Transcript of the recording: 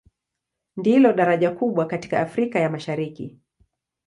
Ndilo daraja kubwa katika Afrika ya Mashariki.